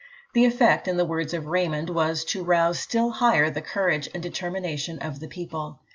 The effect, in the words of Raymond, was to rouse still higher the courage and determination of the people.